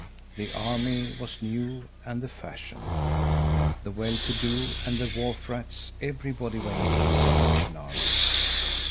The army was new and the fashion. The well to do and the wharf rats, everybody went to the Salvation Army.